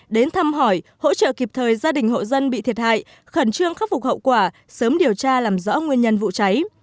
đến thăm hỏi hỗ trợ kịp thời gia đình hộ dân bị thiệt hại khẩn trương khắc phục hậu quả sớm điều tra làm rõ nguyên nhân vụ cháy